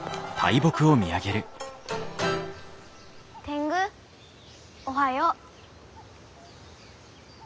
天狗おはよう。